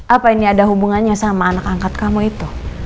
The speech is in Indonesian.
apa ini ada hubungannya sama anak angkat kamu itu